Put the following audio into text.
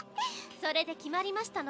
それで決まりましたの？